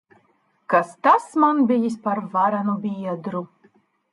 Kas tas man bijis par varenu biedru!